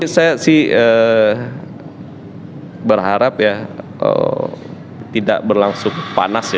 saya sih berharap ya tidak berlangsung panas ya